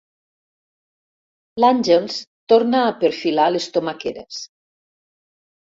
L'Àngels torna a perfilar les tomaqueres.